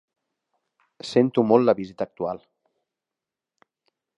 Sento molt la visita actual.